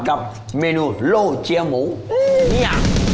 กับเมนูโล่เจียหมูเนี่ย